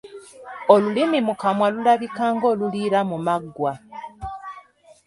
Olulimi mu kamwa lulabika ng’oluliira mu maggwa.